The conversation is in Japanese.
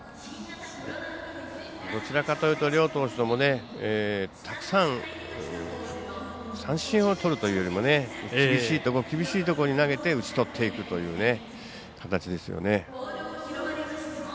どちらかというと両投手ともたくさん三振をとるというよりも厳しいところ厳しいところに投げて打ち取っていくという形ですよね。